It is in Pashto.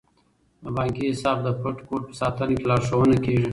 د بانکي حساب د پټ کوډ په ساتنه کې لارښوونه کیږي.